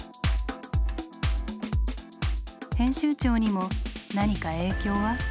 編集長にも何か影響は？